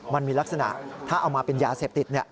มันมีลักษณะถ้าเอามาเป็นยาเสพติด